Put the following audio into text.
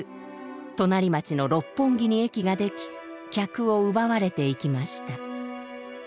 隣町の六本木に駅ができ客を奪われていきました。